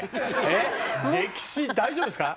歴史大丈夫ですか？